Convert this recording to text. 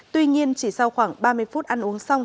tuy nhiên chỉ sau khoảng ba mươi phút ăn uống xong